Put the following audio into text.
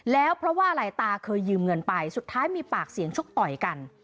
แล้วเพราะว่าอะไรตาเคยยืมเงินไปสุดท้ายมีปากเสียงชกต่อยกัน